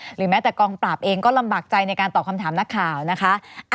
หรือแม้แต่กองปราบเองก็ลำบากใจในการตอบคำถามนักข่าวนะคะ